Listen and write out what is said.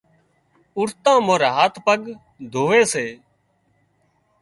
اُوٺتان مورِ هاٿ پڳ ڌووي سي۔